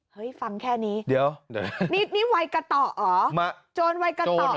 เฮ้ยฟังแค่นี้นี่วัยกะต่อหรอโจรวัยกะต่อหรอ